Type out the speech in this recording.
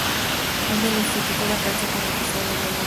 Une el Instituto de Francia con el Museo del Louvre.